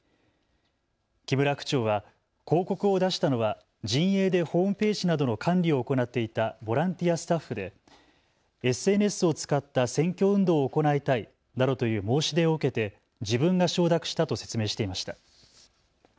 木村区長は広告を出したのは陣営でホームページなどの管理を行っていたボランティアスタッフでＳＮＳを使った選挙運動を行いたいなどという申し出を受けて自分が承諾したと説明していました。